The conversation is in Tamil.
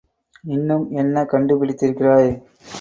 இன்னும் என்ன கண்டு பிடித்திருக்கிறாய்?